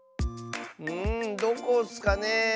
んどこッスかね？